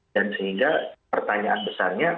dan sehingga pertanyaan besarnya